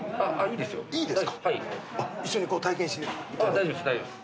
大丈夫です大丈夫です。